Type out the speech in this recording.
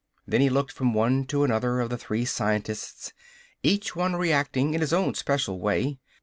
Then he looked from one to another of the three scientists, each one reacting in his own special way.